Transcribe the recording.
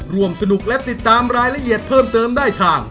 ร่วมสนุกและติดตามรายละเอียดเพิ่มเติมได้ทาง